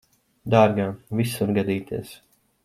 Dārgā, viss var gadīties.